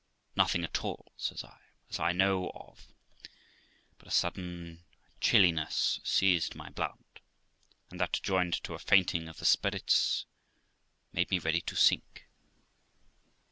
'Nothing at all', says I, 'as I know of; but a sudden chilliness seized my blood, and that, joined to a fainting of the spirits, made me ready to sink.'